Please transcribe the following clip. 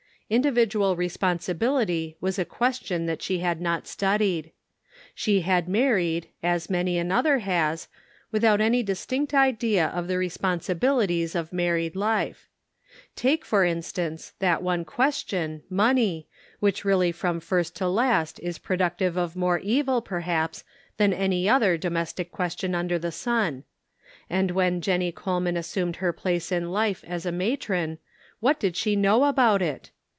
Individual responsibility was a question that she had not studied. She had married, as many another has, without any distinct idea of the re sponsibilities of married life. Take, for in stance, that one question, money, which really from first to last is productive of more evil, 429 430 The Pocket Measure. perhaps, than any other domestic question under the sun; and when Jennie Coleman assumed her place ID life as a matron, what did she know about it?